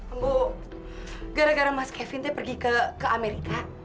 ambo gara gara mas kevin pergi ke amerika